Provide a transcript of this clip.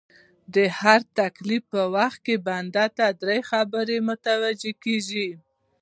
د هر تکليف په وخت کي بنده ته دری خبري متوجې کيږي